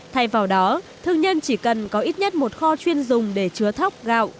thay vào đó thương nhân chỉ cần có ít nhất một kho chuyên dùng để chứa thóc gạo